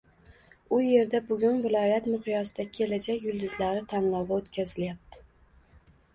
— U yerda bugun viloyat miqyosida “Kelajak yulduzlari” tanlovi o’tkazilyapti.